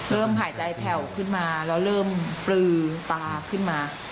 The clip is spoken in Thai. หายใจแผ่วขึ้นมาแล้วเริ่มปลือตาขึ้นมา